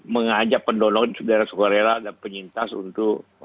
mengajak pendonor darah sukarela dan penyintas untuk